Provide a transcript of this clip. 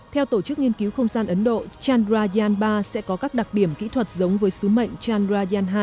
theo tổ chức nghiên cứu không gian ấn độ chandrayan ba sẽ có các đặc điểm kỹ thuật giống với sứ mệnh chandrayaan hai